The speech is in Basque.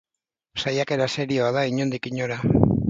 Saiakera serioa da, inondik inora.